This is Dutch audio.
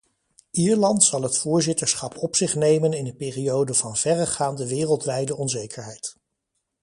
Ierland zal het voorzitterschap op zich nemen in een periode van verregaande wereldwijde onzekerheid.